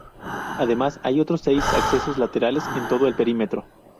Además hay otros seis accesos laterales en todo el perímetro.